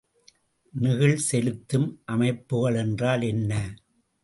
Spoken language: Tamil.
நெகிழ்செலுத்தும் அமைப்புகள் என்றால் என்ன?